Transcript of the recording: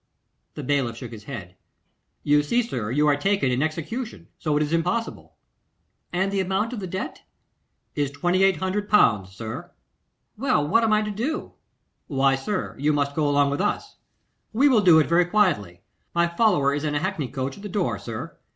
The bailiff shook his head. 'You see, sir, you are taken in execution, so it is impossible.' 'And the amount of the debt?' 'Is 2,800L., sir.' 'Well, what am I to do?' 'Why, sir, you must go along with us. We will do it very quietly. My follower is in a hackney coach at the door, sir.